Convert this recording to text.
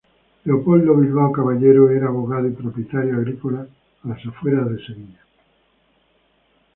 Leopoldo Bilbao Caballero era abogado y propietario agrícola a las afueras de Sevilla.